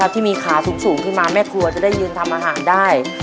ที่มีขาสูงขึ้นมาแม่ครัวจะได้ยืนทำอาหารได้